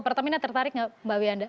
pertamina tertarik nggak mbak wiyanda